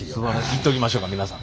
いっときましょうか皆さん。